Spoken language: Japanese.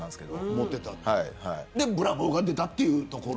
それでブラボーが出たというところ。